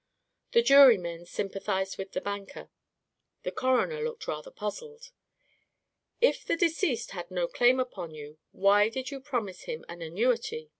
The jurymen sympathized with the banker. The coroner looked rather puzzled. "If the deceased had no claim upon you, why did you promise him an annuity?"